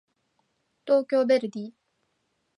東京ヴェルディ